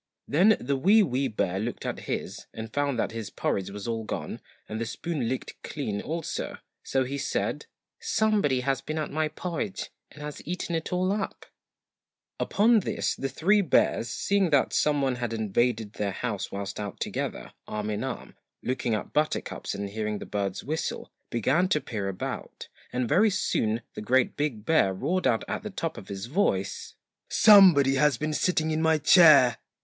Then the WEE WEE BEAR looked at his, and found that his porridge was all gone and the spoon licked clean also, so he said SOMEBODY HAS BEEN AT MY PORRIDGE AND HAS EATEN Upon this the three bears, seeing that some one had invaded their house whilst out together arm in arm, looking at buttercups and hearing the birds whistle, began to peer about, and very soon the GREAT BIG BEAR roared out at the top of his voice 'SOMEBODY HAS BEEN SITTING IN MY CHAIR!'